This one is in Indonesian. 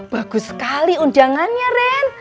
bagus sekali undangannya ren